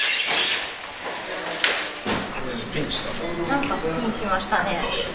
何かスピンしましたね。